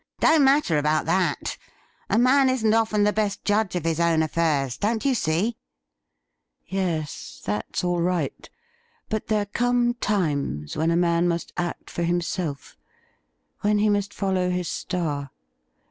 ' Don't matter about that ; a man isn't often the best judge of his own affairs, don't you see ?' Yes, that's all right ; but there come times when a man must act for himself — when he must follow his star.'